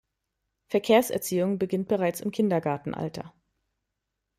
Verkehrserziehung beginnt bereits im Kindergartenalter.